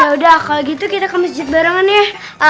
yaudah kalau gitu kita ke masjid barengan ya